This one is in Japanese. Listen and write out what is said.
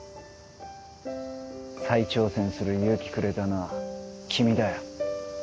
再挑戦する勇気くれたのは君だよ。